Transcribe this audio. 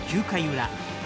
９回裏。